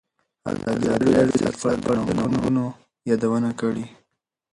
ازادي راډیو د اقتصاد په اړه د ننګونو یادونه کړې.